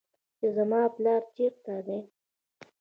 چې زما پلار چېرته دى.